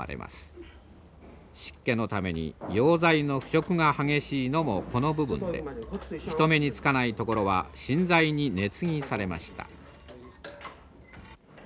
湿気のために用材の腐食が激しいのもこの部分で人目につかない所は新材に根継されました。